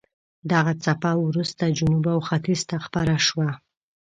دغه څپه وروسته جنوب او ختیځ ته خپره شوه.